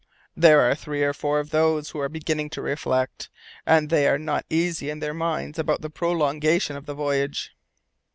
there are three or four of those who are beginning to reflect, and they are not easy in their minds about the prolongation of the voyage."